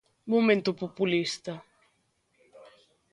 Momento populista.